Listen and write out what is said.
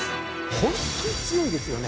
ホントに強いですよね。